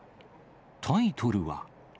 タイトルは。